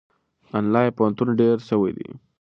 آنلاین پوهنتونونه ډېر سوي دي.